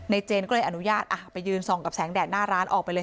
เจนก็เลยอนุญาตไปยืนส่องกับแสงแดดหน้าร้านออกไปเลย